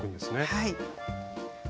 はい。